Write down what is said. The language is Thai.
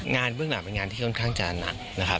เบื้องหลังเป็นงานที่ค่อนข้างจะหนักนะครับ